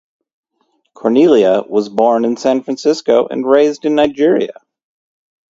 Cornelia was born in San Francisco and raised in Nigeria.